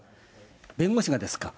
弁護士がですか？